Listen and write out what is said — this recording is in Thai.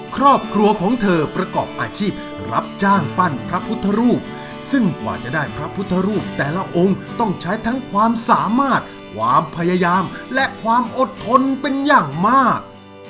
ครอบครัวของเธอประกอบอาชีพรับจ้างปั้นพระพุทธรูปซึ่งกว่าจะได้พระพุทธรูปแต่ละองค์ต้องใช้ทั้งความสามารถความพยายามและความอดทนเป็นอย่างมาก